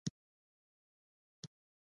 د هغه پراخه څیره او پلنه پوزه مخ ته راوتلې وه